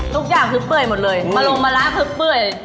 ทุกอย่างเคริ่มเปลือยหมดเลยมาลงมะระเครื่อมเปลือย